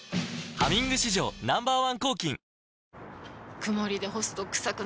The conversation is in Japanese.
「ハミング」史上Ｎｏ．１